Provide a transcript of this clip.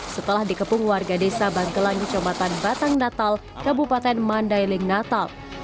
setelah dikepung warga desa banggelang di kecamatan batang natal kabupaten mandailing natal